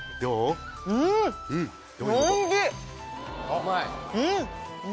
うまい？